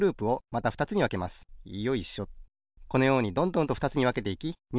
このようにどんどんとふたつにわけていき２